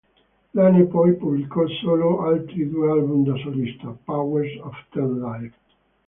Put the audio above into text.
Lane poi pubblicò solo altri due album da solista: "Powers of Ten Live!